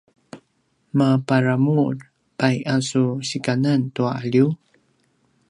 maparamur pai a su sikanan tua alju?